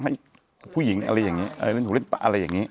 ให้ผู้หญิงอะไรอย่างนี้อะไรอย่างนี้